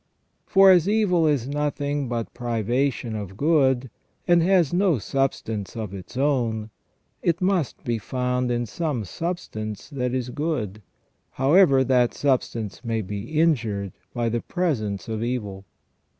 For as evil is nothing but privation of good, and has no substance of its own, it must be found in some substance that is good, however that substance may be injured by the presence of evil.